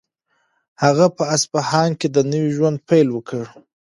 هغه په اصفهان کې د نوي ژوند پیل وکړ.